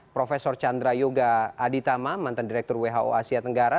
prof chandra yoga aditama mantan direktur who asia tenggara